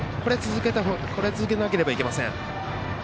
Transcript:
これを続けなければいけません。